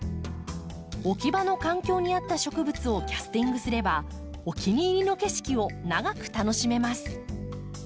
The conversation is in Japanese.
置き場の環境に合った植物をキャスティングすればお気に入りの景色を長く楽しめます。